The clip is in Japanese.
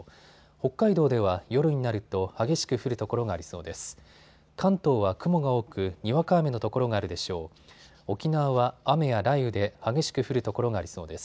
北海道では夜になると激しく降る所がありそうです。